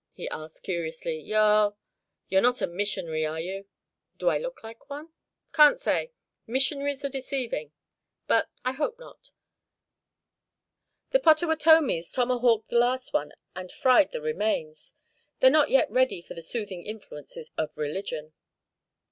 he asked, curiously. "You're you're not a missionary, are you?" "Do I look like one?" "Can't say missionaries are deceiving; but I hope not. The Pottawattomies tomahawked the last one and fried the remains. They're not yet ready for the soothing influences of religion."